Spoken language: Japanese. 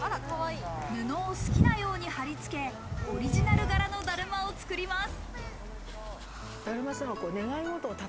布を好きなように貼り付け、オリジナル柄のだるまを作ります。